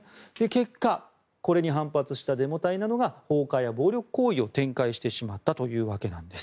結果これに反発したデモ隊などが放火や暴力行為を展開してしまったわけです。